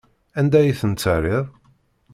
Anda ay tent-terriḍ?